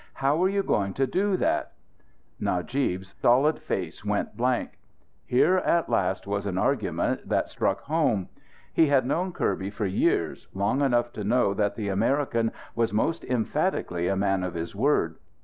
How are you going to do that?" Najib's solid face went blank. Here at last was an argument that struck home. He had known Kirby for years, long enough to know that the American was most emphatically a man of his word.